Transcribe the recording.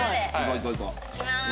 いきます。